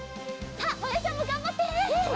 さあまやちゃんもがんばって！